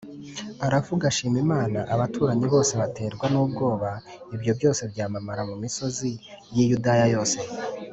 ‘‘ aravuga, ashima Imana. Abaturanyi bose baterwa n’ubwoba, ibyo byose byamamara mu misozi y’i Yudaya yose.